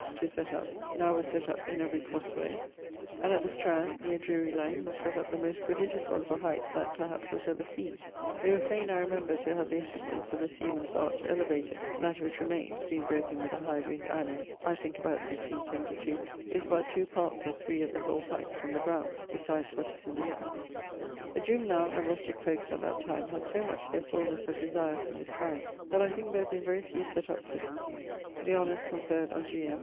to sett up, now were sett up in every crosse way: and at the Strand, neer Drury lane, was sett up the most prodigious one for height, that (perhaps) was ever seen; they were faine (I remember) to have the assistance of the sea men's art to elevate it; that which remaines (being broken with a high wind anno ..., I thinke about 1672) is but two parts of three of the whole height from the grownd, besides what is in the earth. The juvenile and rustique folkes at that time had so much their fullnesse of desires in this kind, that I thinke there have been very few sett up since. The honours conferred on G. M.